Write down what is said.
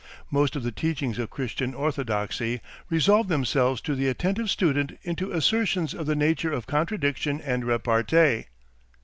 Most of the teachings of Christian orthodoxy resolve themselves to the attentive student into assertions of the nature of contradiction and repartee.